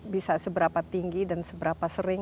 bisa seberapa tinggi dan seberapa sering